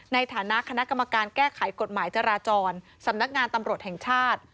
ในฐานะคณะกรรมการแก้ไขกฎหมายจราจรสำนักงานตำรวจแห่งชาติ